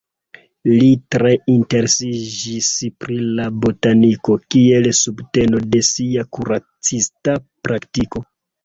Li tre interesiĝis pri la botaniko kiel subteno de sia kuracista praktiko.